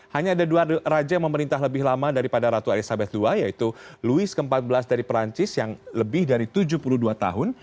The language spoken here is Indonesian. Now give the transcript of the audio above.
hanya ada dua raja yang memerintah lebih lama daripada ratu elizabeth ii yaitu louis ke empat belas dari perancis yang lebih dari tujuh puluh dua tahun